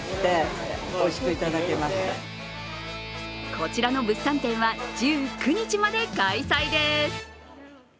こちらの物産展は１９日まで開催です。